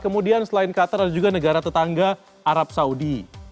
kemudian selain qatar ada juga negara tetangga arab saudi